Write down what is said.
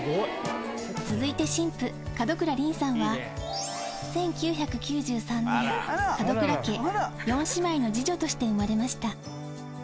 続いて新婦、門倉凛さんは、１９９３年、門倉家４姉妹の次女として生まれました。